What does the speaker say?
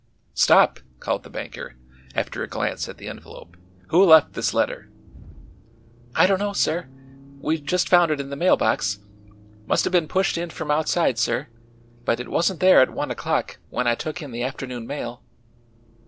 "Stop!" called the banker, after a glance at the envelope. "Who left this letter?" "I don't know, sir; we've just found it in the mail box. Must have been pushed in from outside, sir; but it wasn't there at one o'clock, when I took in the afternoon mail."